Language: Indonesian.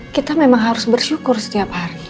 kita memang harus bersyukur setiap hari